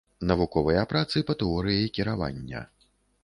Навуковыя працы па тэорыі кіравання.